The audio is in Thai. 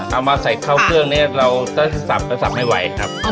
เอามาใส่เข้าเครื่องเนี้ยเราจะสับไม่ไหวครับ